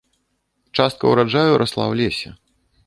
Частка ўраджаю расла ў лесе.